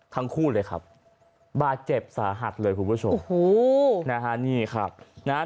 ทั้งคู่เลยครับบาดเจ็บสาหัสเลยคุณผู้ชมโอ้โหนะฮะนี่ครับนะฮะ